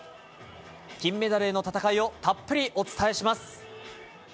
金メダルへの戦いをたっぷりお伝えします。